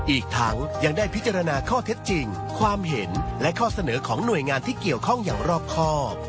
อีกทั้งยังได้พิจารณาข้อเท็จจริงความเห็นและข้อเสนอของหน่วยงานที่เกี่ยวข้องอย่างรอบครอบ